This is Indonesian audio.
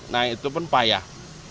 naik itu pun payah